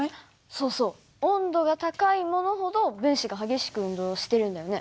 そうそう温度が高いものほど分子が激しく運動してるんだよね。